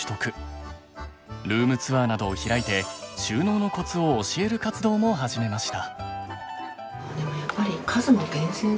ルームツアーなどを開いて収納のコツを教える活動も始めました。